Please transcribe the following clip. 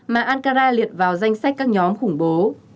mà ankara liệt vào danh sách các nhóm khủng bố